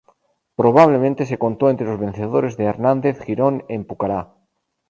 Probablemente se contó entre los vencedores de Hernández Girón en Pucará.